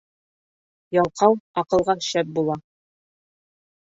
Ялҡау аҡылға шәп була.